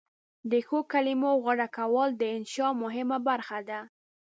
د ښو کلمو غوره کول د انشأ مهمه برخه ده.